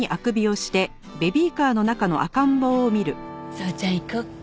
宗ちゃん行こうか。